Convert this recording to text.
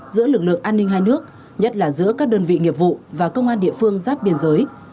giữa lực lượng an ninh hai nước nhất là giữa các đơn vị nghiệp vụ và công an địa phương giáp biên giới